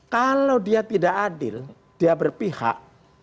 kalau dia tidak adil dia berpihak